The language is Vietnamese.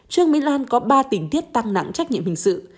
trương mỹ lan có ba tình tiết tăng nặng trách nhiệm hình sự